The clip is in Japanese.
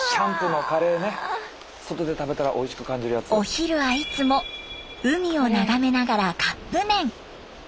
お昼はいつも海を眺めながらカップ麺。